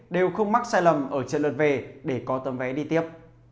đều không mắc sai lầm ở trận lượt về để có tấm vé đi tiếp